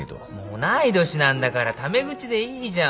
同い年なんだからタメ口でいいじゃん。